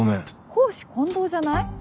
公私混同じゃない？